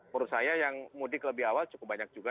menurut saya yang mudik lebih awal cukup banyak juga